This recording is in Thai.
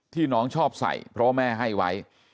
น้องชอบใส่เพราะว่าแม่ให้ไว้